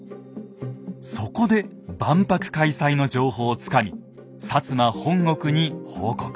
そこで万博開催の情報をつかみ摩本国に報告。